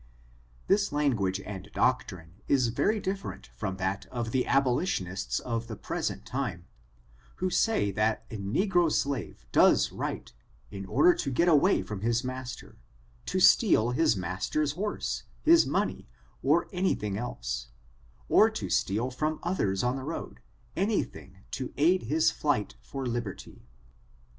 This language and doctrine is very different from that of the abolitionists of the present time, who say that a negro slave does right, in order to get away from his master, to steal his master's horse, his money, or any thing else, or to steal from others on the road, any thing to aid his flight for liberty.